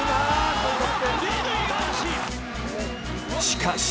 しかし